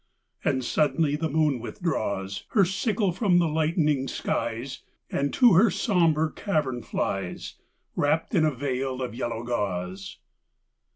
And suddenly the moon withdraws Her sickle from the lightening skies, And to her sombre cavern flies, Wrapped in a veil of yellow gauze.